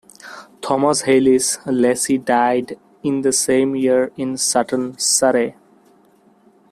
Thomas Hailes Lacy died in the same year in Sutton, Surrey.